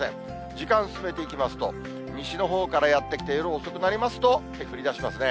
時間進めていきますと、西のほうからやって来て、夜遅くになりますと、降りだしますね。